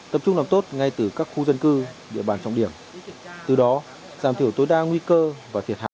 tập trung làm tốt ngay từ các khu dân cư địa bàn trọng điểm từ đó giảm thiểu tối đa nguy cơ và thiệt hại